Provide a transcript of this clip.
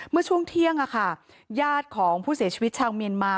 เมื่อช่วงเที่ยงญาติของผู้เสียชีวิตชาวเมียนมา